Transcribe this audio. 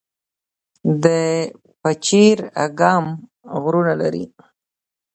د پچیر اګام غرونه لري